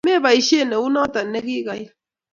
Meboishen eut noto nigigaiil